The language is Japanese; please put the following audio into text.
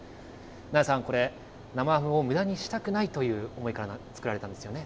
那谷さん、これ、生ハムをむだにしたくないという思いから作られたんですよね。